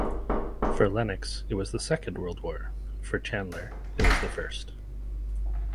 For Lennox, it was the Second World War; for Chandler, it was the first.